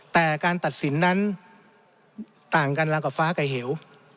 แต่การตัดสินนั้นต่างกันรางกับฟ้าไก่เหว